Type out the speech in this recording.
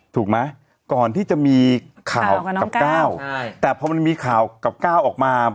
ถูกไหมก่อนที่จะมีข่าวกับก้าวแต่พอมันมีข่าวกับก้าวออกมา